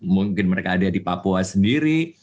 mungkin mereka ada di papua sendiri